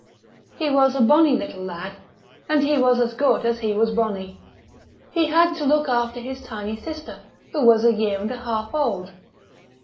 He was a bonny httle lad, and he was as good as he was bonny. He had to look after his tiny sister, who was a year and a half old.